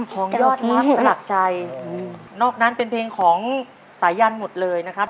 ของยอดมักสลักใจนอกนั้นเป็นเพลงของสายันหมดเลยนะครับ